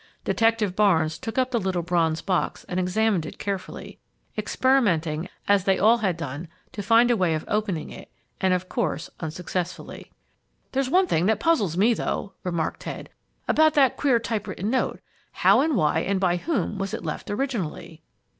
Detective Barnes took up the little bronze box and examined it carefully, experimenting, as they all had done, to find a way of opening it and, of course, unsuccessfully. "There's one thing that puzzles me, though," remarked Ted, "about that queer type written note. How and why and by whom was it left originally?"